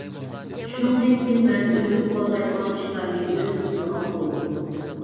شۇنىڭدىن كېيىن مەن ئۆزۈم قىلالايدىغان ئىشلارنى ئۆزۈم قىلىدىغان بولدۇم.